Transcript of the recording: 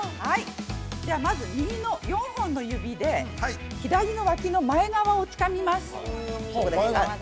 じゃあまず右の４本の指で左のわきの前側をつかみます。